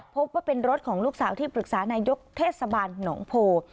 พบว่าเป็นรถของลูกสาวที่ปรึกษานายกเทศบาลหนองโพ